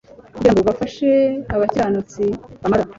kugira ngo bafashe abakiranutsi bamara